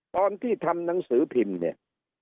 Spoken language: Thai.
ตอนที่ทำหนังสือพิมพ์เนี่ย